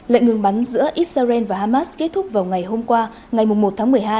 lệnh ngừng bắn giữa israel và hamas kết thúc vào ngày hôm qua ngày một tháng một mươi hai